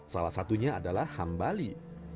salah satunya adalah ham bali